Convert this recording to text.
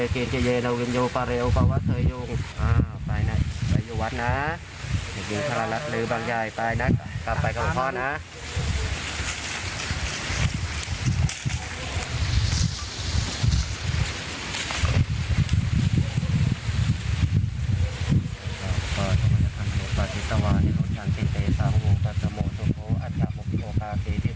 กลับไปกับผู้พ่อนฮะ